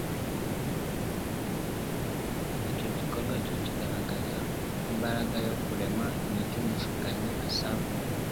Icyo gikorwa cyo kugaragaza imbaraga yo kurema, ni cyo umushukanyi asaba,